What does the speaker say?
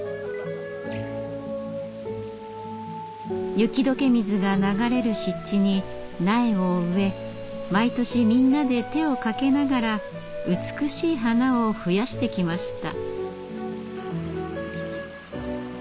雪解け水が流れる湿地に苗を植え毎年みんなで手をかけながら美しい花を増やしてきました。